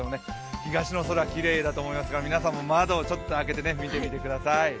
東の空きれいだと思いますが、皆さんも窓を開けて見てみてください。